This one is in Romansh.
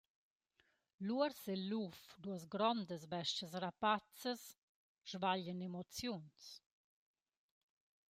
L’uors e’l luf –duos grondas bes-chas rapazzas –svaglian emoziuns.